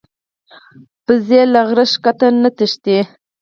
وزې له غره ښکته نه تښتي